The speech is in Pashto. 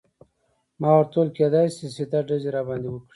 ما ورته وویل: کیدای شي سیده ډزې راباندې وکړي.